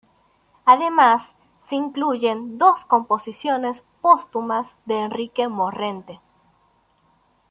Además, se incluyen dos composiciones póstumas de Enrique Morente.